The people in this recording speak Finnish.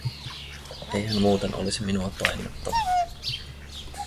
Ei hän muuten olisi minua tainnuttanut.